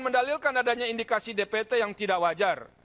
mendalilkan adanya indikasi dpt yang tidak wajar